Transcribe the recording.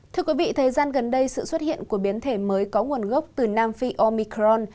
thưa quý vị thời gian gần đây sự xuất hiện của biến thể mới có nguồn gốc từ nam phi omicron